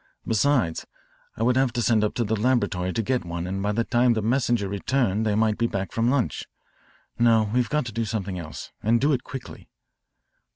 Besides, I would have to send up to the laboratory to get one and by the time the messenger returned they might be back from lunch. No, we've got to do something else, and do it quickly."